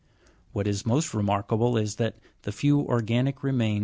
What is most remarkable is, that the few organic remains met in 17.